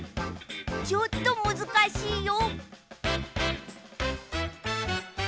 ちょっとむずかしいよ。